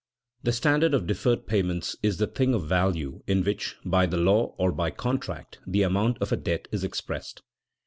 _The standard of deferred payments is the thing of value in which, by the law or by contract, the amount of a debt is expressed.